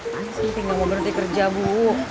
panas gitu gak mau berhenti kerja bu